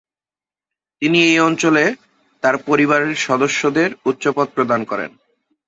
তিনি এই অঞ্চলে তার পরিবারের সদস্যদের উচ্চপদ প্রদান করেন।